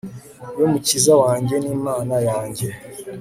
yo mukiza wanjye n'imana yanjye